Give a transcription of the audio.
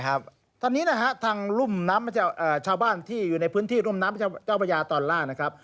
ครั้งนี้นะทางชาวบ้านที่อยู่ในพื้นที่ร่มน้ำเจ้าพยาตอนล่า